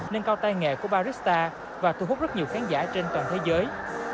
nâng cao tay nghề của barista và thu hút rất nhiều khán giả trên toàn thế giới